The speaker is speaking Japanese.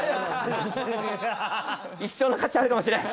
一生の価値あるかもしれない。